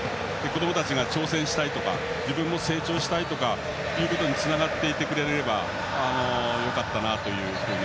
子どもたちが挑戦したいとか自分も成長したいということにつながってくれればよかったなというふうな。